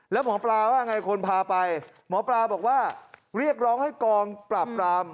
แล้วหมอปลาว่าไงคนพาไปหมอปลาบอกว่าเรียกร้องให้กองปราบปราม